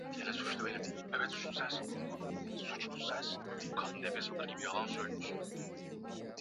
Hivyo Uchina imeweka marufuku ya biashara ya kigeni ya wanyama wa mwituni